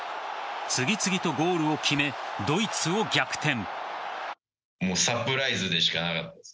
次々とゴールを決めドイツを逆転。